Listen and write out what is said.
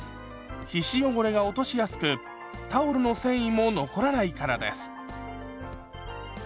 皮脂汚れが落としやすくタオルの繊維も残らないからです。